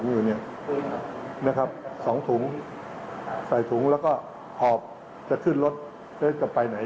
มีคนใจดีก็ตัดสินใจนั่งรถจากหมอชิตจะไปขอนแก่น